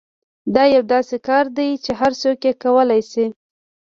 دا یو داسې کار دی چې هر څوک یې کولای شي